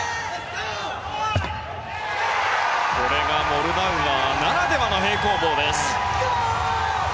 これが、モルダウアーならではの平行棒です。